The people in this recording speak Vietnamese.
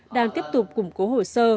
đang tiếp tục củng cố hồ sơ